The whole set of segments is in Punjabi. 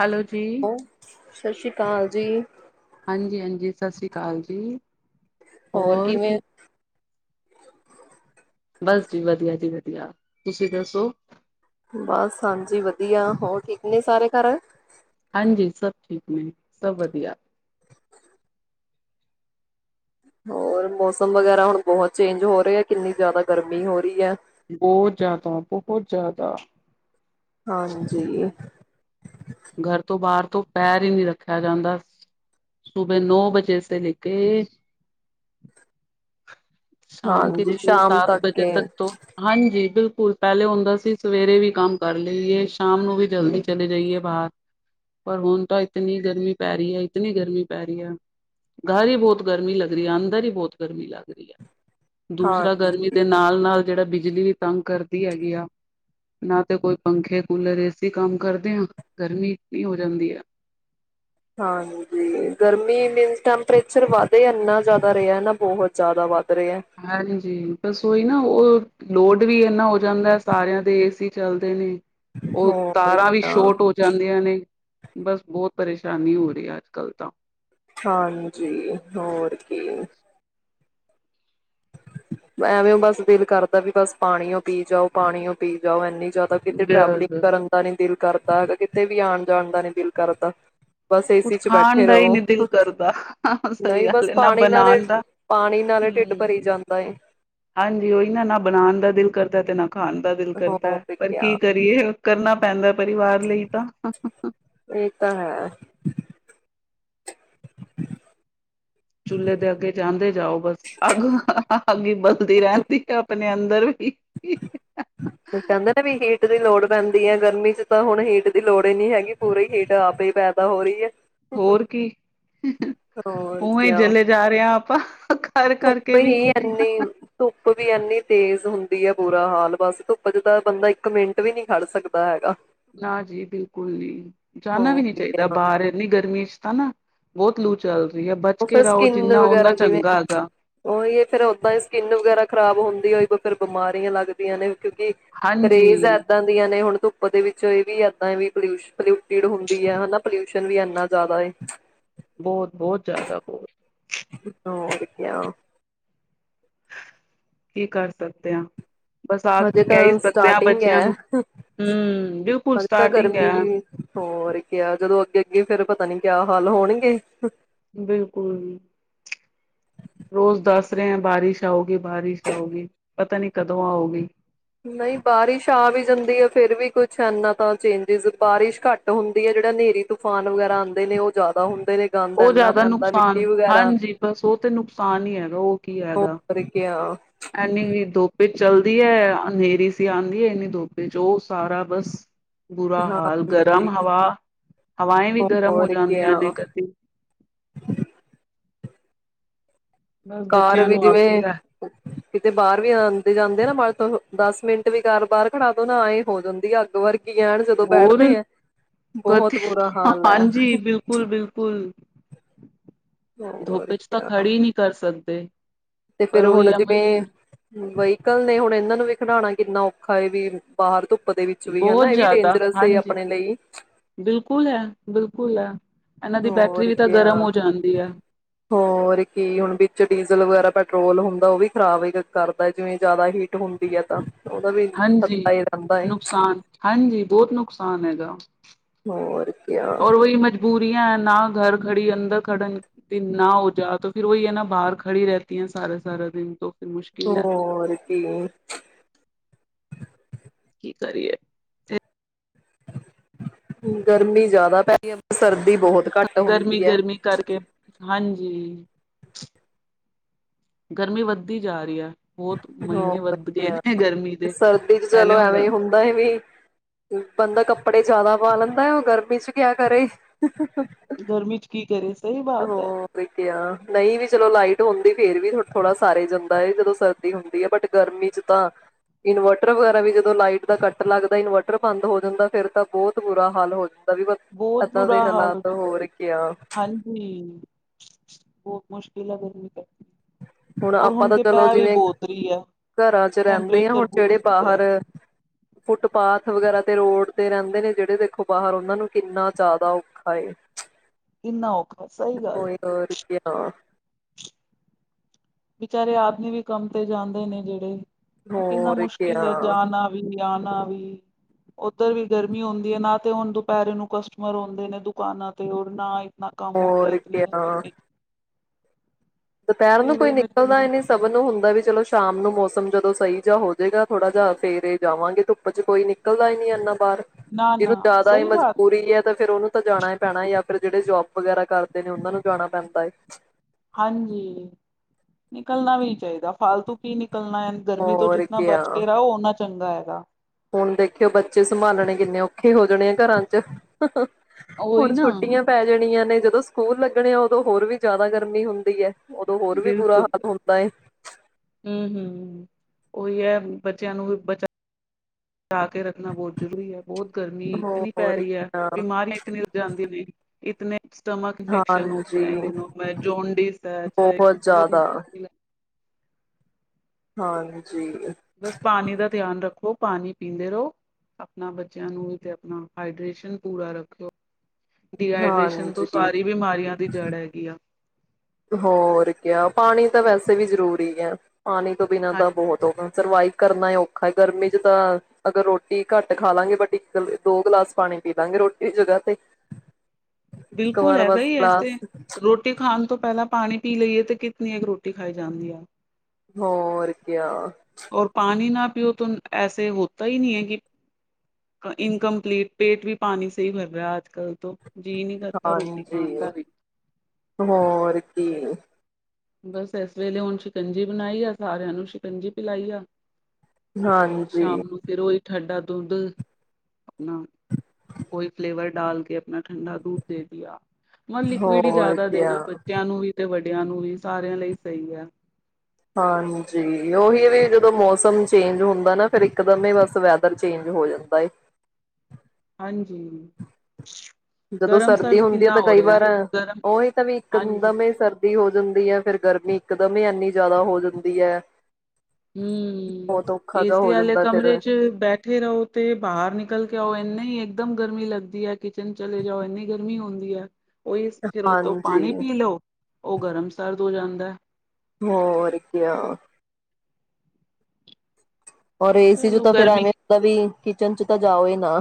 ਹੈਲੋ ਜੀ ਹੋ ਸਤਿ ਸ੍ਰੀ ਅਕਾਲ ਜੀ ਹਾਂਜੀ ਹਾਂਜੀ ਸਤਿ ਸ਼੍ਰੀ ਅਕਾਲ ਜੀ। ਹੋਰ ਕੀ ਬਸ ਜੀ ਵਧੀਆ ਜੀ ਵਧੀਆ, ਤੁਸੀਂ ਦੱਸੋ। ਬਸ ਹਾਂਜੀ। ਵਧੀਆ, ਹੋਰ ਠੀਕ ਨੇ ਸਾਰੇ ਘਰ ਹਾਂਜੀ। ਸਭ ਠੀਕ ਨੇ, ਸਭ ਵਧੀਆ। ਹੋਰ ਮੌਸਮ ਵਗੈਰਾ ਹੁਣ ਬਹੁਤ ਚੇਂਜ ਹੋ ਰਿਹਾ ਹੈ ਕਿੰਨੀ ਜ਼ਿਆਦਾ ਗਰਮੀ ਹੋ ਰਹੀ ਹੈ। ਬਹੁਤ ਜ਼ਿਆਦਾ ਬਹੁਤ ਜ਼ਿਆਦਾ ਹਾਂਜੀ। ਧੁੱਪੇ ਪੈਰ ਹੀ ਨਹੀ ਰੱਖਿਆ ਜਾਂਦਾ। ਸੁਬੇ ਨੌ ਵਜੇ ਸੇ ਲੈਕੇ ਸ਼ਾਮ ਕੇ ਹਾਂਜੀ ਛੇ- ਸ਼ਾਮ ਸੱਤ ਵਜੇ ਏ। ਤੱਕ ਤੋਂ, ਹਾਂਜੀ। ਬਿਲਕੁਲ, ਸਕੂਲ ਪਹਿਲੇ ਹੁੰਦਾ ਸੀ ਸਵੇਰੇ ਵੀ ਕੰਮ ਕਰ ਲਈਏ ਸ਼ਾਮ ਨੂੰ ਵੀ ਜਲਦੀ ਚਲੇ ਜਾਈਏ। ਬਾਹਰ ਪਰ ਹੁਣ ਤਾਂ ਇਤਨੀ ਗਰਮੀ ਪੈ ਰਹੀ ਹੈ, ਇਤਨੀ ਗਰਮੀ ਪੈ ਰਹੀ ਹੈ ਘਰ ਹੀ ਬਹੁਤ ਗਰਮੀ ਲੱਗ ਰਹੀ ਹੈ ਅੰਦਰ ਹੀ ਬਹੁਤ ਗਰਮੀ ਲੱਗ ਰਹੀ ਹੈ। ਹਾਂ ਦੂਸਰਾ ਗਰਮੀ ਦੇ ਨਾਲ -ਨਾਲ ਜਿਹੜਾ ਬਿਜ ਬਿਜਲੀ ਦੀ ਤੰਗ ਕਰਦੀ ਹੈਗੀ ਆ, ਨਾ ਤੇ ਕੋਈ ਪੰਖੇ -ਕੂਲਰ ਏਸੀ ਕੰਮ ਕਰਦੇ ਹਾਂ। ਗਰਮੀ ਇਤਨੀ ਹੋ ਜਾਂਦੀ ਹੈ। ਹਾਂਜੀ। ਗਰਮੀ ਮੀਨ ਟੈਂਪਰੇਚਰ ਵੱਧ ਇੰਨਾ ਜ਼ਿਆਦਾ ਰਿਹਾ ਨਾ ਬਹੁਤ ਜ਼ਿਆਦਾ ਵਧ ਹਾਂਜੀ। ਬਸ ਓਹੀ ਨਾ ਉਹ ਲੋਡ ਵੀ ਇੰਨਾ ਹੋ ਜਾਂਦਾ ਸਾਰਿਆਂ ਦੇ ਏ ਸੀ ਚੱਲਦੇ ਨੇ ਉਹ ਹੋਰ ਤਾਰਾਂ ਵੀ ਕਿਆ ਸ਼ੋਟ ਹੋ ਜਾਂਦੀਆਂ ਨੇ। ਬਸ ਬਹੁਤ ਪਰੇਸ਼ਾਨੀ ਹੋ ਰਹੀ ਹੈ ਅੱਜ ਕੱਲ ਤਾਂ ਹਾਂਜੀ। ਹੋਰ ਕੀ ਐਵੇਂ ਬਸ ਦਿਲ ਕਰਦਾ ਵੀ ਬਸ ਪਾਣੀਓ ਪੀ ਜਾਓ, ਪਾਣੀਓਂ ਪੀ ਜਾਓ, ਇਨੀ ਜ਼ਿਆਦਾ ਕਿਤੇ ਬਸ ਟਰੈਵਲਿੰਗ ਕਰਨ ਦਾ ਨਹੀਂ ਦਿਲ ਕਰਦਾ ਹੈਗਾ ਕਿਤੇ ਵੀ ਆਉਣ -ਜਾਣ ਦਾ ਨੀ ਦਿਲ ਕਰਦਾ। ਬਸ ਕੁਛ ਏਸੀ ਚ ਖਾਣ ਬੈਠੇ ਦਾ ਹੀ ਰਹੋ। ਨੀ ਦਿਲ ਕਰਦਾ ਸਹੀ ਨਹੀਂ ਗੱਲ ਬਸ ਹੈ ਨਾ ਪਾਣੀ ਨਾਲੇ ਬਣਾਣ ਦਾ ਪਾਣੀ ਨਾਲੇ ਢਿੱਡ ਭਰੀ ਹੂੰ। ਬਾਏ। ਹਾਂਜੀ। ਉਹੀ ਨਾ ਨਾ ਬਣਾਉਣ ਦਾ ਦਿਲ ਕਰਦਾ ਤੇ ਨਾ ਖਾਣ ਦਾ ਦਿਲ ਕਰਦਾ ਹੈ। ਹੋਰ ਪਰ ਕੀ ਕਿਆ ਕਰੀਏ, ਕਰਨਾ ਪੈਂਦਾ ਪਰਿਵਾਰ ਲਈ ਤਾਂ ਇਹ ਤਾਂ ਹੈ [unintelligible] ਚੁੱਲੇ ਦੇ ਅੱਗੇ ਜਾਂਦੇ ਜਾਓ ਬਸ ਅੱਗ ਅੱਗ ਹੀ ਵਧਦੀ ਰਹਿੰਦੀ ਹੈ। ਮੈ ਅੰਦਰ ਵੀ ਫਿਰ ਕਹਿੰਦੇ ਵੀ ਗਏ। ਹੀਟ ਦੀ ਲੋੜ ਪੈਂਦੀ ਹੈ ਗਰਮੀ ਚ ਤਾਂ ਹੁਣ ਹੀਟ ਦੀ ਲੋੜ ਹੀ ਨਹੀ ਹੈਗੀ ਪੂਰੀ ਹੀਟ ਆਪ ਹੀ ਪੈਦਾ ਹੋ ਰਹੀ ਹੈ। ਹੋਰ ਕੀ, ਹੋਰ ਉਵੇਂ ਹੀ ਕਿਆ ਜਲੇ ਜਾ ਰਿਹਾ ਆਪਾਂ ਕਰ- ਕਰਕੇ ਵੀ ਓਦੀ ਇੰਨੀ ਤੇਜ਼ ਹੁੰਦੀ ਬੁਰਾ ਹਾਲ ਬਸ ਧੁੱਪ ਚ ਤਾਂ ਬੰਦਾ ਇੱਕ ਮਿੰਟ ਵੀ ਨਹੀਂੀ ਖੜ ਸਕਦਾ ਹੈਗਾ ਨਾ ਜੀ ਬਿਲਕੁਲ ਨਹੀਂੀ ਜਾਣਾ ਹਾਂ ਵੀ ਨਹੀਂੀ ਚਾਹੀਦਾ ਬਾਹਰ ਇਨੀ ਗਰਮੀ ਚ ਤਾਂ ਨਾ ਬਹੁਤ ਲੂ ਚੱਲ ਰਹੀ ਹੈ ਬਚ ਉਹ ਕੇ ਫਿਰ ਰਹੋ ਸਕਿੰਨ ਜਿੰਨਾ ਓਨਾ ਵਗੈਰਾ ਜਿਵੇਂ ਚੰਗਾ ਹੈਗਾ ਉਹੀ ਫੇਿਰ ਓਦਾਂ ਹੀ ਸਕਿੰਨ ਵਗੈਰਾ ਖਰਾਬ ਹੁੰਦੀ ਹੋ ਫ਼ਿਰ ਬਿਮਾਰੀਆਂ ਲੱਗਦੀਆਂ ਨੇ ਕਿਉਂਕਿ ਪਰਹੇਜ਼ ਹਾਂਜੀ ਇੱਦਾਂ ਦੀਆਂ ਨੇ ਹੁਣ ਧੁੱਪ ਦੇ ਵਿੱਚ ਇਹ ਵੀ ਇਏਦਾਂ ਵੀ ਪ ਪੋਲਿਊਟਿਡ ਹੁੰਦੀ ਹੈ ਹਨਾ ਪੋਲਿਊਸ਼ਨ ਵੀ ਇਨਾ ਜ਼ਿਆਦਾ ਬਹੁਤ ਬਹੁਤ ਜ਼ਿਆਦਾ ਬਹੁਤ [unintelligible] ਕੀ ਕਰ ਸਕਦੇ ਹ ਹਜੇ ਤਾਂ ਸਟਾਰਟਿੰਗ ਹੈ ਨੂੰ ਹੂੰ ਬਿਲਕੁਲ ਹਜੇ ਤਾਂ ਸਟਾਰਟਿੰਗ ਗਰਮੀ ਹੈ। ਵੀ ਹੋਰ ਕਿਹਾ ਜਦੋਂ ਅੱਗੇ ਅੱਗੇ ਫਿਰ ਪਤਾ ਪਤਾ ਨੀ ਕਿਆ ਹਾਲ ਹੋਣਗੇ ਬਿਲਕੁਲ ਰੋਜ਼ ਦੱਸ ਰਹੇ ਹੈ ਬਾਰਿਸ਼ ਆਉਗੀ ਬਾਰਿਸ਼ ਆਉਗੀ ਪਤਾ ਨੀ ਕਦੋਂ ਆਉਗੀ ਨਹੀਂ ਬਾਰਿਸ਼ ਆ ਵੀ ਜਾਂਦੀ ਹੈ ਫੇਿਰ ਵੀ ਕੁਛ ਇਨਾ ਤਾਂ ਚੇਂਜਿਸ ਬਾਰਿਸ਼ ਘੱਟ ਹੁੰਦੀ ਹੈ ਜਿਹੜਾ ਹਨੇਰੀ ਤੂਫਾਨ ਵਗੈਰਾ ਆਉਂਦੇ ਨੇ ਉਹ ਜ਼ਿਆਦਾ ਹੁੰ ਉਹ ਜ਼ਿਆਦਾ ਨੁਕਸਾਨ ਹਾਂਜੀ ਬਸ ਉਹ ਤੇ ਨੁਕਸਾਨ ਹੀ ਹੈਗਾ ਉਹ ਕੀ ਹੈਗਾ ਹੋਰ ਕਿਆ ਇਨੀ ਦੋਪੇ ਚ ਚੱਲਦੀ ਹੈ ਹਨੇਰੀ ਸੀ ਆਉਂਦੀ ਇਨੀ ਦੋਪੇ ਚ ਉਹ ਸਾਰਾ ਬਸ ਬੁਰਾ ਹਾਲ ਹਾਂਜੀ ਗਰਮ ਹਵਾ ਹਵਾਏ ਵੀ ਗਰਮ ਹੋ ਹੋਰ ਜਾਂਦੀਆਂ ਨੇ ਕਿਆ ਗਤੀ ਕਾਰ ਵੀ ਜਿਵੇਂ ਆਖੀਦਾ ਕਿਤੇ ਬਾਹਰ ਵੀ ਆਉਦੇ ਜਾਂਦੇ ਨਾ ਮ ਦੱਸ ਮਿੰਟ ਵੀ ਕਾਰ ਬਾਹਰ ਖੜਾ ਦੋ ਨਾ ਇਹ ਹੋ ਜਾਂਦੀ ਆ ਅੱਗ ਵਾਰੀ ਹੋਰ ਬਹੁਤ ਬੁਰਾ ਹਾਲ ਹੈ ਹਾਂਜੀ ਬਿਲਕੁਲ ਬਿਲਕੁਲ ਹੋਰ ਧੋੱਪੇ ਚ ਤਾਂ ਕਿਆ ਖੜੇ ਨਹੀਂ ਕਰ ਸਕਦੇ ਤੇ ਪਰ ਫੇਿਰ ਹੁਣ ਉਹੀ ਹੈ ਜਿਵੇਂ ਮਜਬੂਰੀ ਮੁੰਬਈ ਨਿਕਲ ਨੇ ਹੁਣ ਇਹਨਾਂ ਨੂੰ ਵੀ ਖਿਡਉਣਾ ਕਿੰਨਾ ਔਖਾ ਏ ਵੀ ਬਾਹਰ ਧ ਬਹੁਤ ਜ਼ਿਆਦਾ ਹਾਂਜੀ ਲਈ ਬਿਲਕੁਲ ਹੈ ਬਿਲਕੁਲ ਹੈ ਇਹਨਾਂ ਦੀ ਬੈਟਰੀ ਹੋਰ ਵੀ ਤਾਂ ਕ ਗਰਮ ਆ ਹੋ ਜਾਂਦੀ ਹੈ ਹੋਰ ਕੀ ਹੁਣ ਵਿੱਚ ਡੀਜ਼ਲ ਵਗੈਰਾ ਪੈਟਰੋਲ ਹੁੰਦਾ ਉਹ ਵੀ ਖ਼ਰਾਬ ਹੀ ਕਰਦਾ ਜਿਵੇਂ ਜ਼ਿਆਦਾ ਹੀਟ ਹੁੰਦੀ ਹੈ ਤਾਂ ਉਹਦਾ ਵੀ ਹਾਂਜੀ ਖਤਰਾ ਹੀ ਰਹਿੰਦਾ ਹੈ ਨੁਕਸਾਨ ਹਾਂਜੀ ਬਹੁਤ ਨੁਕਸਾਨ ਆੁਸਾਨ ਹੈਗਾ ਹੋਰ ਕਿਆ ਔਰ ਉਹੀ ਮਜਬੂਰੀਆਂ ਨਾ ਘਰ ਖੜੀ ਅੰਦਰ ਖੜਨ ਦਿਨ ਨਾ ਹੋ ਜਾ ਤਾਂ ਫਿਰ ਉਹਹੀ ਹੈ ਨਾ ਬਾਹਰ ਖੜੀ ਰਤੀ ਹੈ ਸਾਰੇ ਸਾਰਾ ਦਿਨ ਤੋਂ ਫਿਰ ਮੁਸ਼ਕਿਲ ਹੈ ਹੋਰ ਕੀ ਕੀ ਕਰਿਅੇ ਗਰਮੀ ਜਿਆਦਾ ਪੈ ਗ ਹੈ ਸਰਦੀ ਬਹੁਤ ਘੱਟ ਹੁੰਦੀ ਐ। ਜੀ। ਗਰਮੀ ਵੱਧਦੀ ਜਾ ਰੀ ਐ। ਹੋਰ ਵਧੀਆ ਦੇ ਸਰਦੀ ਚ ਚਲੋ ਐਵੇਂ ਹੁੰਦਾ ਐ ਵੀ ਬੰਦਾ ਕੱਪੜੇ ਜ਼ਿਆਦਾ ਪਾ ਲੈਂਦਾ ਗਰਮੀ ਚ ਕਿਆ ਕਰੇ? ਗਰਮੀ ਚ ਕੀ ਕਰੇ ਸ ਹੋ ਰਕਿਆ ਨਈ ਵੀ ਚਲੋ ਲਾਈਟ ਹੁੰਦੀ ਫੇਰ ਵੀ ਥੋੜਾ ਸਾਰੇ ਜਾਂਦਾ ਜਦੋਂ ਸਰਦੀ ਹੁੰਦੀ ਹੈ ਬਟ ਗਰਮੀ ਚ ਤਾਂ ਇਨਵਰਟਰ ਵਗੈਰਾ ਵੀ ਜਦੋਂ ਲਾਈਟ ਦਾ ਕੱਟ ਲੱਗਦਾ ਇਨਵਰਟਰ ਬੰਦ ਹੋ ਜਾਂਦਾ ਫੇਰ ਤਾਂ ਬਹੁਤ ਬੁਰਾ ਹਾਲ ਹੋ ਦਾਂ ਵੀ ਬਹੁਤ ਏਦਾਂ ਦੇ ਬੁਰਾ ਹਾਲ ਹੋ ਹਾਲਾਤ ਜਾਂਦਾ ਹੋਰ ਕਆ ਹਾਂਜੀ ਬਹੁਤ ਮੁਸ਼ਕਿਲ ਐ ਗਰਮੀ ਤੇ ਹੁਣ ਆਪਾਂ ਤਾਂ ਚਲੋ ਜਿਵੇਂ ਬਹੁਤ ਰਹੀ ਹੈ ਘਰਾਂ ਚ ਰਹਿੰਦੇ ਆ ਹੁਣ ਟੈਂਪਰੇਚਰ ਬਹੁਤ ਜਿਹੜੇ ਵੱਧ ਰਿਹਾ ਬਾਹਰ ਫੁੱਟਪਾਥ ਹੁਣ ਵਗੈਰਾ ਤੇ ਰੋਡ ਤੇ ਰਹਿੰਦੇ ਨੇ ਜਿਹੜੇ ਦੇਖੋ ਬਾਹਰ ਉਹਨਾਂ ਨੂੰ ਕਿੰਨਾ ਜ਼ਿਆਦਾ ਔਖਾ ਐ। ਕਿੰਨਾ ਔਖਾ ਸਈ ਗੱਲ ਐ। ਹਾਂ ਬਚਾਰੇ ਆਦਮੀ ਵੀ ਕੰਮ ਤੇ ਜਾਂਦੇ ਨੇ ਜਿਹੜੇ ਮੈਂ ਕਿੰਨਾ ਹੋਰ ਮੁਸ਼ਕਿਲ ਹੈ ਕਿਆ ਜਾਣਾ ਵੀ ਜਾਣਾ ਵੀ ਉੱਧਰ ਵੀ ਗਰਮੀ ਹੁੰਦੀ ਐ ਨਾ ਤੇ ਹੁਣ ਦੁਪਹਿਰੇ ਨੂੰ ਕਸਟਮਰ ਆਉਂਦੇ ਨੇ ਦੁਕਾਨਾਂ ਤੇ ਨਾ ਨਾ ਕੰਮ ਹੁੰਦਾ, ਹੋਰ ਇਤਨੀ ਕਿਆ ਗਰਮੀ ਦੁਪੈਰ ਨੂੰ ਫਿਰ ਕੋਈ ਵਹੀ ਨਿਕਲਦਾ ਮਜਬੂਰੀ ਈ ਨਈ ਸਭ ਨੂੰ ਹੁੰਦਾ ਵੀ ਚਲੋ ਸ਼ਾਮ ਨੂੰ ਮੌਸਮ ਜਦੋਂ ਸਹੀ ਜਿਹਾ ਹੋਜੇਗਾ ਥੋੜਾ ਜਿਹਾ ਫੇਰ ਜਾਵਾਂਗੇ। ਧੁੱਪ ਚ ਕੋਈ ਨਿਕਲਦਾ ਈ ਨਈ ਇੰਨਾ ਬਾਹਰ ਨਾ ਜਿਹਨੂੰ ਨਾ ਜ਼ਿਆਦਾ ਹੀ ਸਹੀ ਬਾਤ ਹੈ ਮਜਬੂਰੀ ਐ ਤਾਂ ਫਿਰ ਉਹਨੂੰ ਤਾਂ ਜਾਣਾ ਈ ਪੈਣਾ ਜਾਂ ਫਿਰ ਜਿਹੜੇ ਜੋਬ ਵਗੈਰਾ ਕਰਦੇ ਨੇ ਉਹਨਾਂ ਨੂੰ ਜਾਣਾ ਪੈਂਦਾ ਐ। ਹਾਂਜੀ, ਨਿਕਲਣਾ ਵੀ ਨੀ ਚਾਹੀਦਾ ਫਾਲਤੂ ਕੀ ਨਿਕ ਨਿਕਲਣਾ ਐ ਗਰਮੀ ਤੋਂ ਹੋਰ ਜਿਤਨਾ ਕਿਆ ਬਚ ਕੇ ਰਓ ਓਨਾ ਚੰਗਾ ਐ। ਦਾ ਹੁਣ ਦੇਖਿਓ ਬੱਚੇ ਸੰਭਾਲਣੇ ਕਿੰਨੇ ਔਖੇ ਹੋ ਜਾਣੇ ਆ ਘਰਾਂ ਚ ਉਹੀ ਹੁਣ ਨਾ ਛੁੱਟੀਆਂ ਪੈ ਜਾਣੀਆਂ ਨੇ ਜਦੋਂ ਸਕੂਲ ਲੱਗਣੇ ਉਦੋਂ ਹੋਰ ਵੀ ਜ਼ਿਆਦਾ ਗਰਮੀ ਹੁੰਦੀ ਐ। ਓਦੋਂ ਹੋਰ ਵੀ ਬੁਰਾ ਬਿਲਕੁਲ ਹਾਲ ਹੁੰਦਾ ਐ ਓਈ ਐ ਬੱਚਿਆਂ ਨੂੰ ਬੱਚਾ ਜਾ ਕੇ ਰੱਖਣਾ ਬਹੁਤ ਜ਼ਰੂਰੀ ਐ ਬਹੁਤ ਗਰਮੀ ਇਤਨੀ ਪੈ ਹੋਰ ਰੀ ਐ, ਕਿਆ ਬਿਮਾਰੀਆਂ ਇਤਨੀ ਜਾਂਦੀਆਂ ਨੀ ਇਤਨ ਸਟਮਕ ਇਨਫੈਕਸ਼ਨ ਹੋਤੇ ਹੈ ਹਾਂਜੀ ਦਿਨੋ ਮੈਂ ਜੌੋਂਡਿਸ ਐ ਚਾਹੇ ਬਹੁਤ ਮੁਸ਼ਕਿਲ ਐ। ਹਾਂ ਬਸ ਪਾਣੀ ਦਾ ਧਿਆਨ ਰੱਖੋ। ਪਾਣੀ ਪੀਂਦੇ ਰੋ ਆਪਣਾ ਬੱਚਿਆਂ ਨੂੰ ਤੇ ਆਪਣਾ ਹਾਈਡ੍ਰੇਸ਼ਨ ਪੂਰਾ ਰੱਖੋ। ਡੀਹਾਈਡ੍ਰੇਸ਼ਨ ਤੋਂ ਹਾਂਜੀ ਸਾਰੀ ਬਿਮਾਰੀਆਂ ਦੀ ਜੜ ਹੈਗੀ ਆ। ਹੋਰ ਕਿਆ ਪਾਣੀ ਤਾਂ ਵੈਸੇ ਵੀ ਜ਼ਰੂਰੀ ਹੈ। ਪਾਣੀ ਤੋਂ ਬਿਨਾਂ ਤਾਂ ਹਾਂਜੀ। ਬਹੁਤ ਹੋ ਸਰਵਾਈਵ ਕਰਨਾ ਹੀ ਔਖਾ ਹੈ ਗਰਮੀ ਚ ਤਾਂ ਅਗਰ ਰੋਟੀ ਘੱਟ ਖਾ ਲਾਂਗੇ ਬਟ ਇੱਕ ਦੋ ਗਲਾਸ ਪਾਣੀ ਪੀ ਲਾਂਗੇ ਰੋਟੀ ਜਗਾ ਤੇ ਬਿਲਕੁਲ ਵਾਰ ਹੈਗਾ ਬਸ ਹੀ ਐਸੇ ਗਲਾਸ ਰੋਟੀ ਖਾਣ ਤੋਂ ਪਹਿਲਾਂ ਪਾਣੀ ਪੀ ਲਈਏ ਤੇ ਕਿਤਨੀ ਰੋਟੀ ਖਾਈ ਜਾਂਦੀ ਆ। ਹੋਰ ਕਿਆ ਔਰ ਪਾਣੀ ਨਾ ਉਹ ਐਸੇ ਹੋਤਾ ਹੀ ਨਹੀਂ ਹੈ ਕਿ ਇਨਕਮਪਲੀਟ ਪੇਟ ਵੀ ਪਾਣੀ ਸ ਹੀ ਭਰ ਰਿਹਾ ਆਜ ਕੱਲ ਤੋਂ ਜੀਅ ਨਹੀਂ ਕਰਦਾ ਰੋਟੀ ਹਾਂਜੀ ਖਾਣ ਦਾ ਵੀ। ਹੋਰ ਕੀ ਬਸ ਇਸ ਵੇਲੇ ਹੁਣ ਸ਼ਿਕੰਜੀ ਬਣਾਈ ਆ ਸਾਰਿਆਂ ਨੂੰ ਸ਼ਿਕੰਜੀ ਪਿਲਾਈ ਆ। ਪਰ ਹਾਂਜੀ ਸ਼ਾਮ ਨੂੰ ਫੇਰ ਉਹੀ ਠੰਡਾ ਦੁੱਧ ਆਪਣਾ ਕੋਈ ਫਲੇਵਰ ਡਾਲ ਕੇ ਆਪਣਾ ਠੰਡਾ ਦੂਧ ਦੇ ਦਿਆ। ਮਤ ਲਿਕਿਡ ਹੋਰ ਜ਼ਿਆਦਾ ਕਿਆ ਦੇਣਾ ਬੱਚਿਆਂ ਨੂੰ ਵੀ ਤੇ ਵੱਡੇ ਬਚਿਆਂ ਨੂੰ ਵੀ ਸਾਰਿਆਂ ਲਈ ਸਹੀ ਹੈ। ਹਾਂਜੀ ਉਹੀ ਹੈ ਵੀ ਜਦੋਂ ਮੌਸਮ ਚੇਂਜ ਹੁੰਦਾ ਨਾ ਫਿਰ ਇੱਕ ਦਮ ਹੀ ਬਸ ਵੈਦਰ ਚੇਂਜ ਹੋ ਜਾਂਦਾ ਏ। ਹਾਂਜੀ। ਜਦੋਂ ਗਰਮ ਸਰਦੀ ਸਰਦ ਹੁੰਦੀ ਆ ਕਿੰਨਾ ਤਾਂ ਹੋ ਕਈ ਰਿਹਾ ਵਾਰ ਗਰਮ ਉਹੀ ਤਾਂ ਵੀ ਹਾਂਜੀ ਇਕਦਮ ਹੀ ਸਰਦੀ ਹੋ ਜਾਂਦੀ ਹੈ ਫਿਰ ਗਰਮੀ ਇਕਦਮ ਹੀ ਇਨੀ ਜ਼ਿਆਦਾ ਹੋ ਜਾਂਦੀ ਹੈ। ਹੂੰ ਬਹੁਤ ਔਖਾ ਜਿਹਾ ਏਸੀ ਹੋ ਵਾਲੇ ਜਾਂਦਾ ਫਿਰ ਕਮਰੇ ਚ ਬੈਠੇ ਰਹੋ ਤੇ ਬਾਹਰ ਨਿਕਲ ਕੇ ਆਓ ਇਨੇ ਨਹੀਂ ਇੱਕਦਮ ਗਰਮੀ ਲੱਗਦੀ ਹੈ ਕਿਚਨ ਚਲੇ ਜਾਓ ਇੰਨੀ ਗਰਮੀ ਹੁੰਦੀ ਹੈ। ਉਹੀ ਫਿਰ ਉਹ ਤੋਂ ਹਾਂਜੀ ਪਾਣੀ ਪੀ ਲਓ ਉਹ ਗਰਮ ਸਰਦ ਹੋ ਜਾਂਦਾ ਹੋਰ ਕਿਆ ਔਰ ਏਸੀ ਚ ਚਲੋ ਤਾਂ ਫਿਰ ਗਰਮੀ ਐਵੇਂ ਵੀ ਕਿਚਨ ਚ ਤਾਂ ਜਾਓ ਨਾ।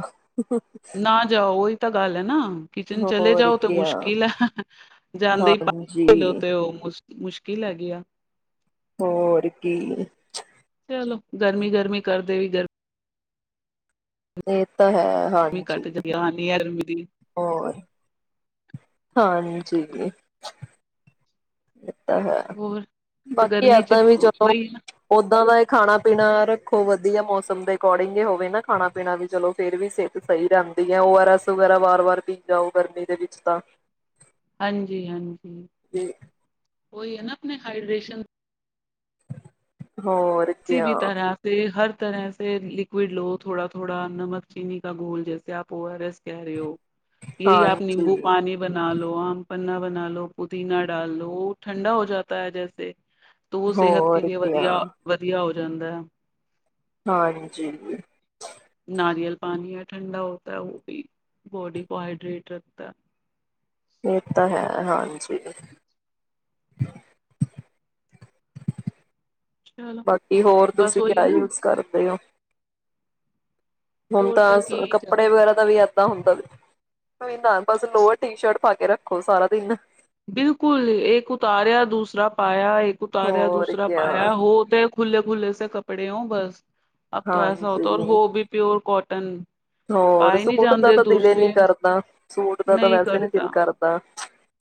ਨਾ ਜਾਓ ਉਹੀ ਤਾਂ ਗਲ ਐ ਨਾ ਕਿਚਨ ਚਲੇ ਹੋਰ ਜਾਓ ਤੇ ਕਿਆ ਮੁਸ਼ਕਿਲ ਹੈ ਜਾਂਦੇ ਹੀ [unintelligible] ਹਾਂਜੀ ਤੇ ਉਹ ਮੁਕ ਮੁਸ਼ਕਿਲ ਹੈਗੀ ਆ। ਹੋਰ ਕੀ ਚਲੋ ਗਰਮੀ ਗਰਮੀ ਕਰਦੇ ਵੀ ਗਰਮੀ ਇਹ ਤਾਂ ਹੈ। ਕੱਟ ਜਾਂ ਹਾਂਜੀ [unintelligible] ਹੋਰ ਹਾਂਜੀ ਹਮ [unintelligible] ਹੈ ਹੋਰ ਬਾਕੀ ਗਰਮੀ ਚ ਏਦਾਂ ਵੀ ਚਲੋ ਵਹੀ ਓਦਾਂ ਦਾ ਖਾਣਾ ਪੀਣਾ ਰੱਖੋ ਵਧੀਆ ਮੌਸਮ ਦੇ ਅਕੋਰਡਿੰਗ ਈ ਹੋਵੇ ਨਾ ਖਾਣਾ ਪੀਣਾ ਵੀ ਚਲੋ ਫੇਰ ਵੀ ਸਿਹਤ ਸਹੀ ਰਹਿੰਦੀ ਹੈ ਉਹਰਸ ਵੈਰਾ ਵਾਰ ਵਾਰ ਪੀ ਜਾਓ ਗਰਮੀ ਦੇ ਵਿੱਚ ਤਾਂ ਹਾਂਜੀ ਹਾਂਜੀ ਤੇ ਉਹੀ ਹੈ ਨਾ ਆਪਣੇ ਹਾਈਡ੍ਰੇਸ਼ਨ ਹੋਰ ਕਿਆ ਤਰ੍ਹਾਂ ਫੇਰ ਲਿਕਵਿਡ ਲੋ ਥੋੜਾ ਥੋੜਾ ਨਮਕ ਚੀਨੀ ਕਾ ਗੋਲ ਜੈਸੇ ਆਪ ਓ ਆਰ ਐਸ ਕਹਿ ਰਹੇ ਹੋ ਯਹੀ ਆਪ ਨਿੰਬੂ ਹਾਂਜੀ ਪਾਣੀ ਬਣਾ ਲੋ [unintelligible] ਆਮ ਪੰਨਾ ਬਣਾ ਲ ਲੋ ਪੁਦੀਨਾ ਡਾਲ ਲੋ ਠੰਡਾ ਹੋ ਜਾਤਾ ਹੈ ਜੈਸੇ ਹੋਰ ਕਿਆ ਵਧੀਆ ਹੋ ਜਾਂਦਾ ਹੈ ਹਾਂਜੀ ਨਾਰੀਅਲ ਪਾਣੀ ਹੈ ਠੰਡਾ ਹੋ ਹੈ ਉਹ ਵੀ ਬੋਡੀ ਕੋ ਹਾਈਡ੍ਰੇਟ ਰੱਖਦਾ ਇਹ ਤਾਂ ਹੈ ਹਾਂਜੀ ਬਾਕੀ ਹੋਰ ਤੁਸੀਂ ਕਿਆ ਯੂਜ ਕਰਦੇ ਹੋ ਹੁਣ ਤਾਂ ਅਸ ਕੱਪੜੇ ਵਗੈਰਾ ਦਾ ਵੀ ਹੁੰਦਾ ਜ [unintelligible] ਕੋਈ ਨਾ ਬਸ ਲੋਅਰ ਟੀ ਸ਼ਰਟ ਪਾ ਕੇ ਰੱਖੋ ਸਾਰਾ ਦਿਨ ਬਿਲਕੁਲ ਇੱਕ ਉਤਾਰਿਆ ਦੂਸਰਾ ਪਾਇਆ ਇੱਕ ਉਤਾਰਿਆ ਹੋਰ ਦੂਸਰਾ ਕਿਆ ਪਾਇਆ ਹੋ ਤੇ ਖੁੱਲੇ ਖੁੱਲੇ ਸੇ ਕੱਪੜੇ ਹੋਂ ਬਸ ਅਬ ਤੋਂ ਐਸਾ ਹੋਤਾ ਓਰ ਹਾਂਜੀ ਹੋ ਵੀ ਪਿਓਰ ਕੋਟ ਤਨ [unintelligible] ਹੋਰ ਸੂਟ ਦਾ ਤਾਂ ਦਿਲ ਹੀ ਨੀ ਕਰਦਾ ਸੂਟ ਦਾ ਤਾਂ ਵੈਸੇ ਨੀ ਦਿਲ ਕਰਦਾ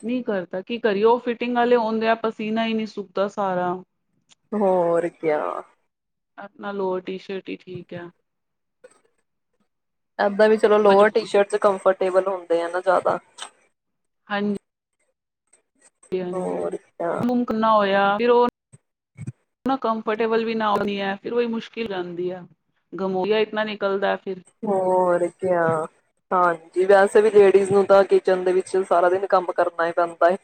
ਨਹੀਂ ਕਰਦਾ ਕੀ ਕਰੀਏ ਉਹ ਫਿਟਿੰਗ ਵਾਲੇ ਆਉਂਦੇ ਪਸੀਨਾ ਹੀ ਨਹੀਂ ਸੁੱਕਦਾ ਸਾਰਾ ਹੋਰ ਕਿਆ ਆਪਣਾ ਲੋਅਰ ਟੀ ਸ਼ਰਟੀ ਠੀਕ ਆ ਇੱਦਾਂ ਵੀ ਚਲੋ ਲੋਅਰ ਟੀ ਸ਼ਰਟ ਚ ਕੰਫਰਟੇਬਲ ਹੁੰਦੇ ਆ ਨਾ ਜ਼ਿਆਦਾ ਹਾਂਜੀ ਹਾਂਜੀ ਹੋਰ ਮੁਮਕ ਨਾ ਹੋ ਫਿਰ ਉਹ ਹ [unintelligible] ਨਾ ਕੰਫਰਟੇਬਲ ਵੀ ਨਾ ਹਉਦੀ ਹੈ ਫਿਰ ਵਹੀ ਮੁਸ਼ਕਿਲ ਜਾਂਦੀ ਹੈ ਗਮੋਆ ਇਤਨਾ ਨਿਕਲਦਾ ਫਿਰ ਹੋਰ ਕਿਆ ਹਾਂ ਜੀ ਵੈਸੇ ਵੀ ਲੇਡੀਜ਼ ਨੂੰ ਤਾਂ ਕਿਚਨ ਦੇ ਵਿੱਚ ਸਾਰਾ ਦਿਨ ਕੰਮ ਕਰਨਾ ਹੀ ਪੈਂਦਾ ਹੈ।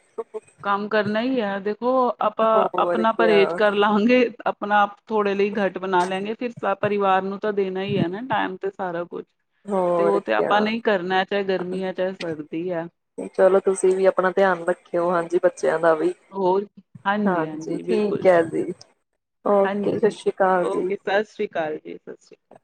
ਕੰਮ ਕਰਨਾ ਹੀ ਹੈ ਦੇਖੋ ਆਪਾਂ ਹੋਰ ਆਪਣਾ ਕਿਆ ਪਰਹੇਜ਼ ਕਰ ਲਵਾਂਗੇ ਆਪਣਾ ਆਪ ਥੋੜੇ ਲਈ ਘੱਟ ਬਣਾ ਲੈਗੇ ਫਿਰ ਪਰਿਵਾਰ ਨੂੰ ਤਾਂ ਦੇਣਾ ਹੀ ਹੈ ਨਾ ਟਾਈਮ ਤੇ ਸਾਰਾ ਕੁੱਛ। ਹੋਰ ਕਿਆ ਗਰਮੀ ਹੈ ਚਾਹੇ ਸਰਦੀ ਹੈ ਚਲੋ ਤੁਸੀਂ ਵੀ ਆਪਣਾ ਧਿਆਨ ਰੱਖਿਓ ਹਾਂਜੀ। ਬੱਚਿਆਂ ਦਾ ਵੀ ਹੋਰ ਹਾਂਜੀ ਹਾਂਜੀ ਬਿਲਕੁਲ ਜੀ ਓਕੇ ਹਾਂਜੀ ਸਤਿ ਜੀ ਸ੍ਰੀ ਅਕਾਲ ਜੀ ਓਕੇ ਸਤਿ ਸ੍ਰੀ ਅਕਾਲ ਜੀ ਸਤਿ ਸ਼੍ਰੀ ਅਕਾਲ।